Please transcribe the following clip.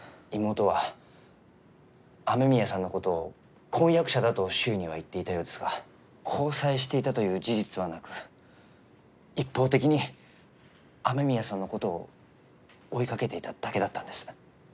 妹は雨宮さんの事を婚約者だと周囲には言っていたようですが交際していたという事実はなく一方的に雨宮さんの事を追いかけていただけだったんです。